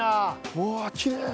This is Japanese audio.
うわっきれい！